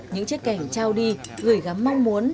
những chiếc kẻm trao đi gửi gắm mong muốn